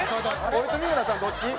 俺と三村さんどっち？